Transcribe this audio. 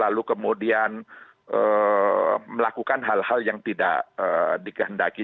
lalu kemudian melakukan hal hal yang tidak dikehendaki